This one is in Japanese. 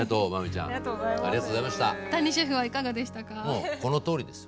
もうこのとおりです